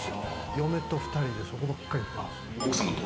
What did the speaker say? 嫁と２人でそこばっかり行ってます。